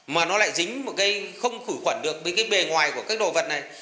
mà nó lại dính một cái không khử khuẩn được với cái bề ngoài của các đồ vật này